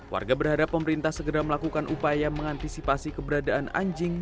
warga berharap pemerintah segera melakukan upaya mengantisipasi keberadaan anjing